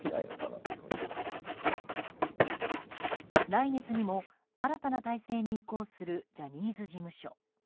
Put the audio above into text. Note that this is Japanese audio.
来月にも新たな体制に移行するジャニーズ事務所。